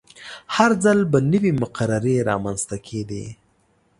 هر ځل به نوې مقررې رامنځته کیدې.